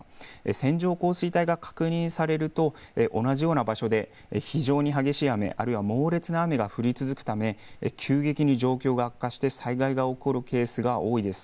線状降水帯が確認されると同じような場所で非常に激しい雨あるいは猛烈な雨が降り続くため急激に状況が悪化して災害が起こるケースが多いです。